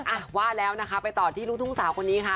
อ่ะว่าแล้วนะคะไปต่อที่ลูกทุ่งสาวคนนี้ค่ะ